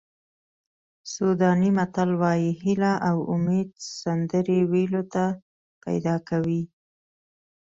سوډاني متل وایي هیله او امید سندرې ویلو ته پیدا کوي.